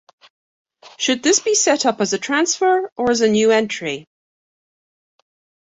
Should this be set up as a transfer, or as a new entry?